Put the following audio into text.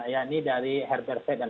ya ini dari herberthe dan